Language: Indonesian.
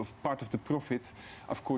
sebagai bagian dari keuntungan